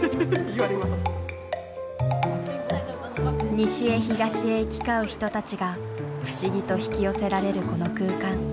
西へ東へ行き交う人たちが不思議と引き寄せられるこの空間。